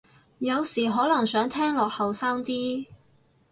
有時可能想聽落後生啲